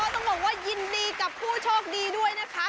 ต้องบอกว่ายินดีกับผู้โชคดีด้วยนะคะ